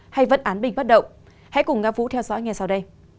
hay vận án bình bắt động hãy cùng nga vũ theo dõi nghe sau đây